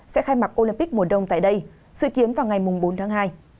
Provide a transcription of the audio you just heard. sẽ khai mặt olympic mùa đông tại đây sự kiến vào ngày bốn tháng hai